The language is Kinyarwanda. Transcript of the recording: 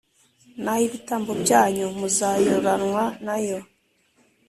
n’ay’ibitambo byanyu muzayoranwa na yo